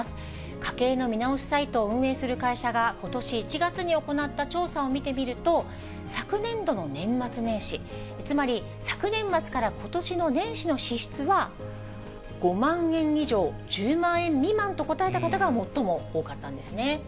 家計の見直しサイトを運営する会社が、ことし１月に行った調査を見てみると、昨年度の年末年始、つまり昨年末からことしの年始の支出は５万円以上１０万円未満と答えた方が最も多かったんですね。